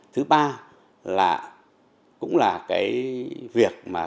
thứ ba là cũng là cái việc mà